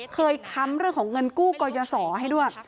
ค้ำเรื่องของเงินกู้ก่อยสอให้ด้วย